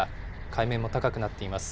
海面も高くなっています。